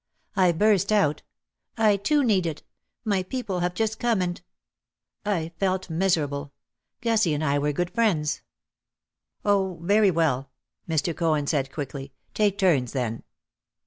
I burst out : "I too need it. My people have just come and ." I felt miserable. Gussie and I were good friends. "Oh, very well," Mr. Cohen said, quickly, "take turns then."